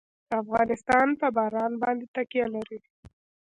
افغانستان په باران باندې تکیه لري.